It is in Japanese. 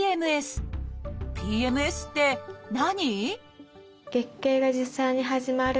「ＰＭＳ」って何？